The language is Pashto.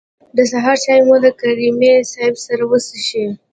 د سهار چای مو د کریمي صیب سره وڅښه.